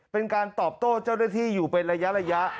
เป็นการตอบโต้เจ้าหน้าที่อยู่เป็นระยะ